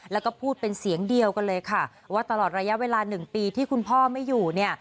แล้วก็พูดเป็นเสียงเดียวกันเลยค่ะว่าตลอดระยะเวลา๑ปีที่คุณพ่อไม่อยู่เนี่ย